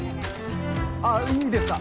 あっいいですか？